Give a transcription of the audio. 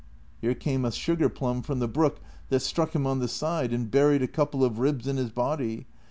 Here came a sugar plum from the brook that struck him on the side and buried a couple of ribs in his body.